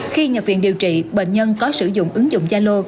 khi nhập viện điều trị bệnh nhân có sử dụng ứng dụng yalo